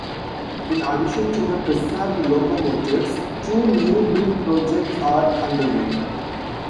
In addition to the preserved locomotives, two new-build projects are underway.